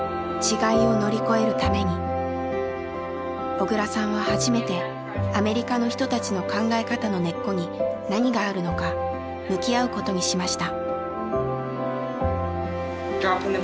小倉さんは初めてアメリカの人たちの考え方の根っこに何があるのか向き合うことにしました。